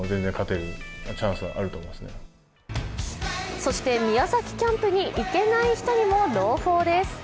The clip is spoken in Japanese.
そして宮崎キャンプに行けない人にも朗報です。